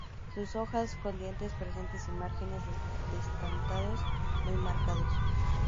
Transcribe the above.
Sus hojas con dientes presentes y márgenes dentados muy marcados.